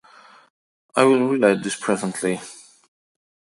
I will relate this presently.